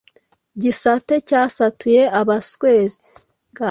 gisate cyasatuye abaswezi